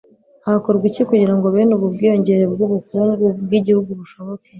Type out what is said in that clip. hakorwa iki kugirango bene ubu bwiyongere bw'ubukungu bw'igihugu bushoboke